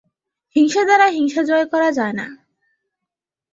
হিংসা দ্বারা হিংসা জয় করা যায় না।